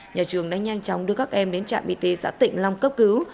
nhà trường đã nhanh chóng đưa các em đến trạm y tế xã tịnh long cấp cứu